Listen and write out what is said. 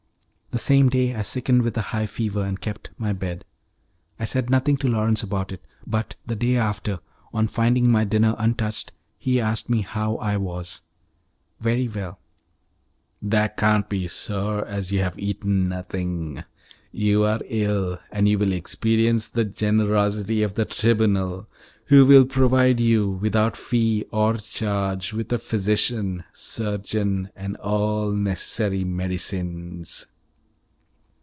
The same day I sickened with a high fever and kept my bed. I said nothing to Lawrence about it, but the day after, on finding my dinner untouched, he asked me how I was. "Very well." "That can't be, sir, as you have eaten nothing. You are ill, and you will experience the generosity of the Tribunal who will provide you, without fee or charge, with a physician, surgeon, and all necessary medicines."